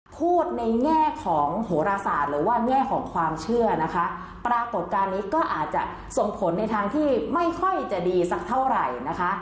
พูดในแง่ของโหรศาสตร์หรือว่าแง่ของความเชื่อนะคะปรากฏการณ์นี้ก็อาจจะส่งผลในทางที่ไม่ค่อยจะดีสักเท่าไหร่นะคะ